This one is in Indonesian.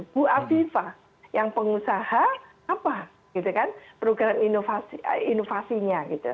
bu aviva yang pengusaha apa program inovasinya